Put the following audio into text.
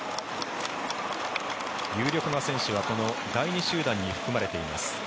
有力な選手はこの第２集団に含まれています。